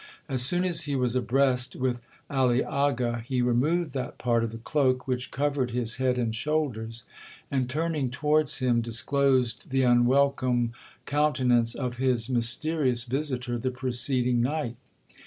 As soon as he was abreast with Aliaga, he removed that part of the cloke which covered his head and shoulders, and, turning towards him, disclosed the unwelcome countenance of his mysterious visitor the preceding night.